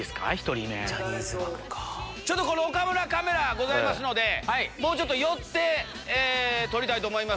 この岡村カメラございますのでもうちょっと寄って撮りたいと思います。